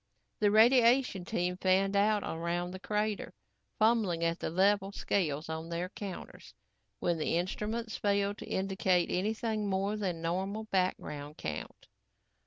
The radiation team fanned out around the crater, fumbling at the level scales on their counters when the instruments failed to indicate anything more than normal background count.